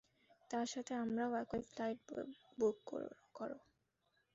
তার সাথে আমারও একই ফ্লাইটে বুক কর।